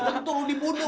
tentu lo dibunuh